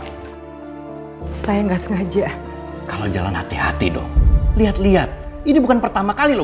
hai saya nggak sengaja kalau jalan hati hati dong lihat lihat ini bukan pertama kali lo